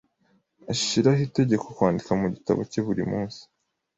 Ashiraho itegeko kwandika mu gitabo cye buri munsi.